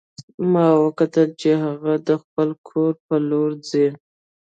ما وکتل چې هغه د خپل کور په لور ځي